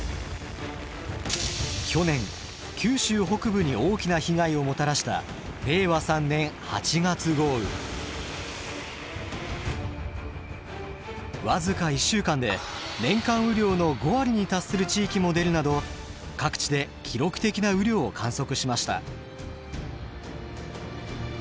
去年九州北部に大きな被害をもたらしたわずか１週間で年間雨量の５割に達する地域も出るなど各地で記録的な雨量を観測しました。